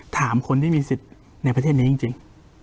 ถามคนที่มีสิทธิ์ในประเทศนี้จริง